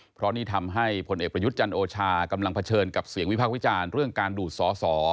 เพราะนี่ทำให้ผลเอกประยุทธ์จันทร์โอชากำลังเผชิญกับเสียงวิพากษ์วิจารณ์เรื่องการดูดสอสอ